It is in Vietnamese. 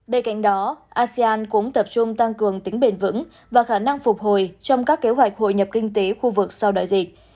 bên cạnh đó asean cũng tập trung tăng cường tính bền vững và khả năng phục hồi trong các kế hoạch hội nhập kinh tế khu vực sau đại dịch